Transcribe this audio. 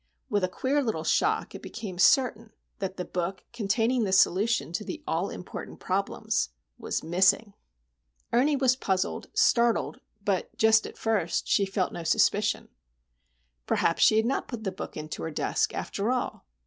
With a queer little shock it became certain that the book containing the solution to the all important problems was missing! Ernie was puzzled, startled, but, just at first, she felt no suspicion. Perhaps she had not put the book into her desk, after all.